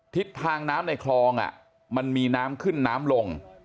ทิศทางน้ำในคลองมันมีน้ำขึ้นน้ำลง